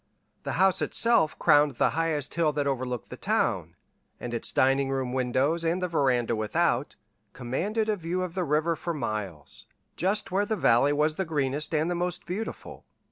The house itself crowned the highest hill that overlooked the town, and its dining room windows and the veranda without, commanded a view of the river for miles, just where the valley was the greenest and the most beautiful.